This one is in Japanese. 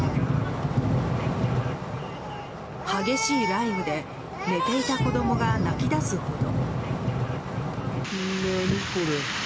激しい雷雨で寝ていた子供が泣き出すほど。